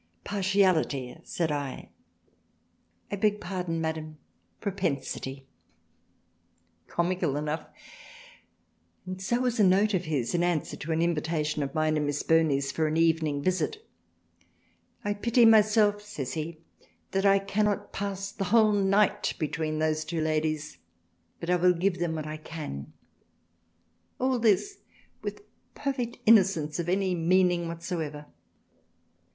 Partiality said I, — I beg pardon Madam, Propensity — Comical enough and so was a note of his in Answer to an invitation of mine and Miss Burney 's for an Evening Visit. I pity myself, says he, that I cannot pass the whole Night between those two Ladies, but I will give them what I can. 30 THRALIANA All this with perfect Innocence of any meaning whatsoever.